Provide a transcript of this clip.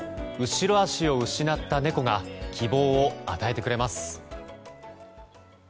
後ろ足を失った猫が希望を与えてくれます。